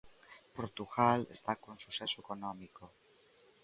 Portugal está con suceso económico.